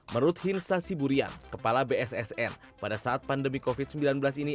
menurut hilsa siburian kepala bssn pada saat pandemi covid sembilan belas ini